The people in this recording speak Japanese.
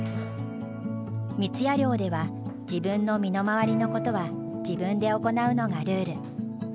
三矢寮では自分の身の回りのことは自分で行うのがルール。